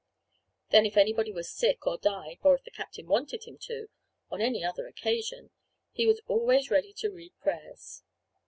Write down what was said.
Then if anybody was sick or died, or if the captain wanted him to, on any other occasion, he was always ready to read prayers.